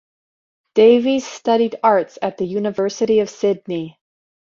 Davies studied Arts at the University of Sydney.